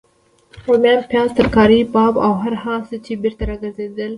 روميان، پیاز، ترکاري باب او هر هغه څه چی بیرته راګرځیدلي راونیسئ